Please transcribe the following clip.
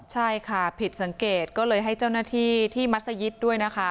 ใช่ค่ะผิดสังเกตก็เลยให้เจ้าหน้าที่ที่มัศยิตด้วยนะคะ